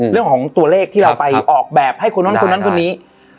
เรื่องของตัวเลขที่เราไปออกแบบให้คนนั้นคนนั้นคนนี้